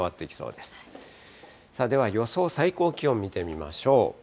では予想最高気温を見てみましょう。